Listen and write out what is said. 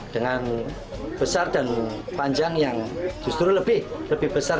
dengan besar dan panjang yang justru lebih besar